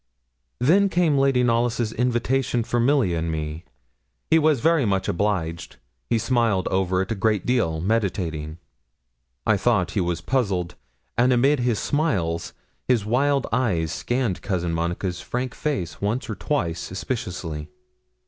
Then came Lady Knollys' invitation for Milly and me. He was very much obliged; he smiled over it a great deal, meditating. I thought he was puzzled; and amid his smiles, his wild eyes scanned Cousin Monica's frank face once or twice suspiciously.